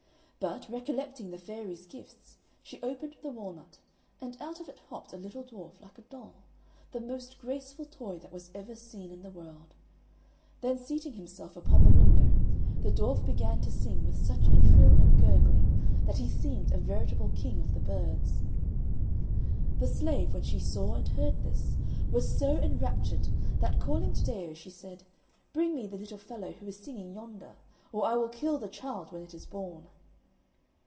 But, recollecting the fairies' gifts, she opened the walnut, and out of it hopped a little dwarf like a doll, the most graceful toy that was ever seen in the world. Then, seating himself upon the window, the dwarf began to sing with such a trill and gurgling, that he seemed a veritable king of the birds. The Slave, when she saw and heard this, was so enraptured that, calling Taddeo, she said, "Bring me the little fellow who is singing yonder, or I will kill the child when it is born."